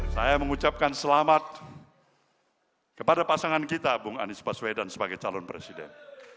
saya mengucapkan selamat kepada pasangan kita bung anies baswedan sebagai calon presiden